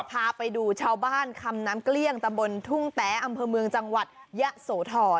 พาไปดูชาวบ้านคำน้ำเกลี้ยงตำบลทุ่งแต๊อำเภอเมืองจังหวัดยะโสธร